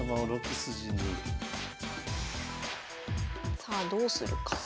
さあどうするか。